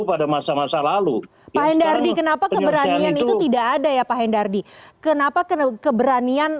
pada masa masa lalu pak hendardi kenapa keberanian itu tidak ada ya pak hendardi kenapa keberanian